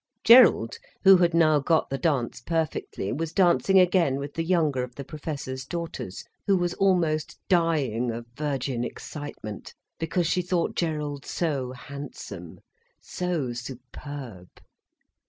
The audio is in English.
Gerald, who had now got the dance perfectly, was dancing again with the younger of the Professor's daughters, who was almost dying of virgin excitement, because she thought Gerald so handsome, so superb.